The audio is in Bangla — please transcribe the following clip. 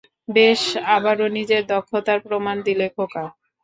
বেশ, আবারো নিজের দক্ষতার প্রমাণ দিলে, খোকা।